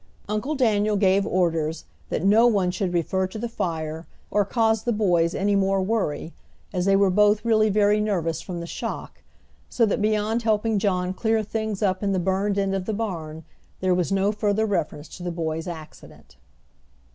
Uncle Daniel gave orders that no one should refer to the fire or cause the boys any more worry, as they were both really very nervous from the shock, so that beyond helping John clear things up in the burned end of the barn, there was no further reference to the boys' accident.